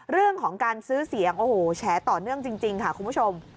เรื่องของการซื้อเสียงโอ้โหแฉต่อเนื่องจริงค่ะคุณผู้ชม